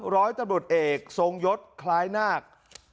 ร้อยตำรวจเอกทรงยศคล้ายนาค